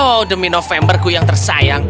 oh demi novemberku yang tersayang